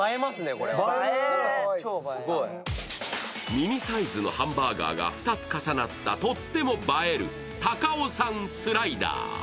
ミニサイズのハンバーガーが２つ重なったとっても映える高尾山スライダー。